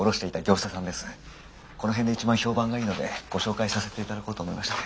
この辺で一番評判がいいのでご紹介させていただこうと思いまして。